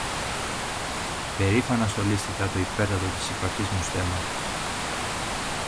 περήφανα στολίστηκα το υπέρτατο της ύπαρξής μου στέμμα